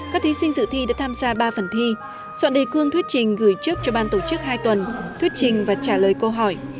các thí sinh dự thi đã tham gia ba phần thi soạn đề cương thuyết trình gửi trước cho ban tổ chức hai tuần thuyết trình và trả lời câu hỏi